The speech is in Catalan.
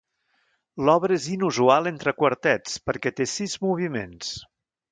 L'obra és inusual entre quartets, perquè té sis moviments.